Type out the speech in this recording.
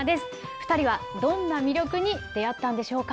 ２人はどんな魅力に出会ったんでしょうか？